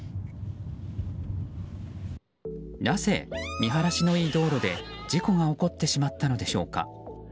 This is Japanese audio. なぜ、見晴らしのいい道路で事故が起こってしまったのでしょうか。